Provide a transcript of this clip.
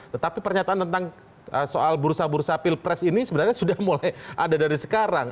tetapi pernyataan tentang soal bursa bursa pilpres ini sebenarnya sudah mulai ada dari sekarang